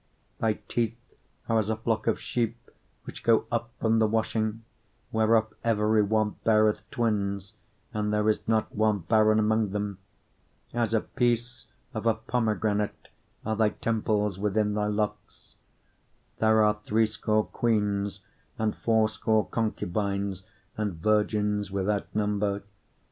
6:6 Thy teeth are as a flock of sheep which go up from the washing, whereof every one beareth twins, and there is not one barren among them. 6:7 As a piece of a pomegranate are thy temples within thy locks. 6:8 There are threescore queens, and fourscore concubines, and virgins without number.